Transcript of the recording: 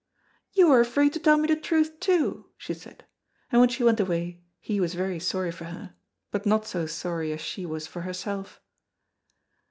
"You are afraid to tell me the truth too," she said, and when she went away he was very sorry for her, but not so sorry as she was for herself.